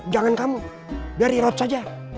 jangan kamu biar irot saja